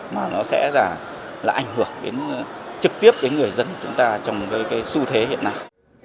mà nó sẽ là ảnh hưởng trực tiếp đến người dân chúng ta trong cái xu thế hiện nay